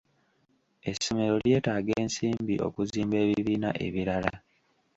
Essomero lyetaaga ensimbi okuzimba ebibiina ebirala.